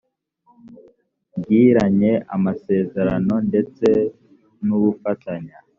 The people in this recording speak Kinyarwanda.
bgiranye amasezerano ndetse n’ubufatanye